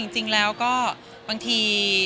จริงแล้วก็บางที